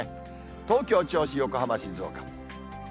東京、銚子、横浜、静岡。